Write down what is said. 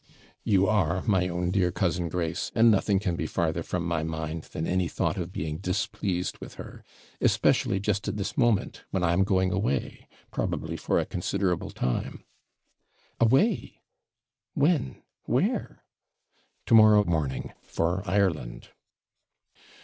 'You are my own dear cousin Grace; and nothing can be farther from my mind than any thought of being displeased with her; especially just at this moment, when I am going away, probably for a considerable time.' 'Away! when? where?' 'To morrow morning, for Ireland.'